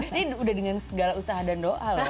ini udah dengan segala usaha dan doa loh